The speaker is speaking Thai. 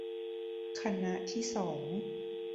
คณะที่สอง